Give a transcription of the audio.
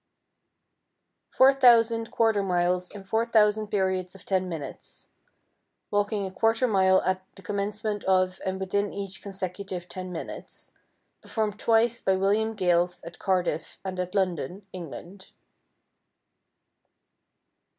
4,000 quarter miles in 4,000 periods of 10 minutes (walking a quarter mile at the commencement of and within each consecutive 10 minutes), performed twice by William Gales, at Cardiff, and at London, England.